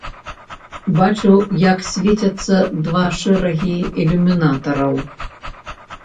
Бачыў, як свецяцца два шэрагі ілюмінатараў.